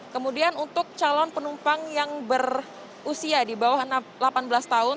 kemudian untuk calon penumpang yang berusia di bawah delapan belas tahun